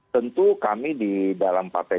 tentu kami di dalam partai